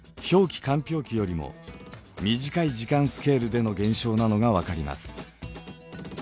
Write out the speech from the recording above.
氷期よりも短い時間スケールでの現象なのが分かります。